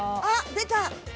あっ出た。